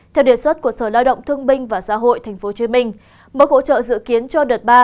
theo đề xuất của sở lao động thương binh và xã hội tp hcm mức hỗ trợ dự kiến cho đợt ba